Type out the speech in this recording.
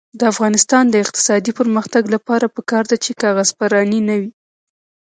د افغانستان د اقتصادي پرمختګ لپاره پکار ده چې کاغذ پراني نه وي.